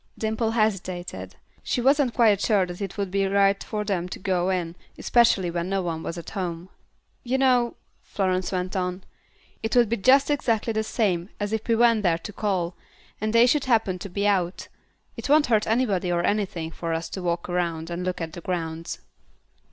Dimple hesitated. She wasn't quite sure that it would be right for them to go in, especially when no one was at home. "You know," Florence went on, "it would be just exactly the same as if we went there to call, and they should happen to be out. It won't hurt anybody or anything for us to walk around and look at the grounds."